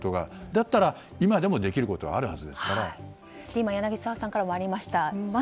だったら今でもできることは柳澤さんからもありました